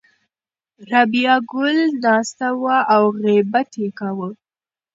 رابعه ګل ناسته وه او غیبت یې کاوه.